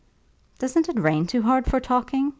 "Doesn't it rain too hard for talking?"